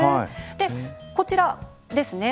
でこちらですね